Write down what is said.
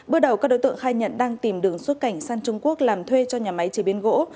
bước đầu các đối tượng khai nhận đang tìm đường xuất cảnh sang trung quốc làm thuê cho nhà máy chế biến gỗ